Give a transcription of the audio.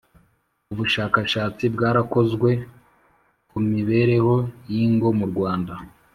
Ubushakashatsi bwarakozwe kumibereho yingo mu rwanda